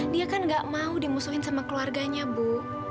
dia kan gak mau dimusuhin sama keluarganya bu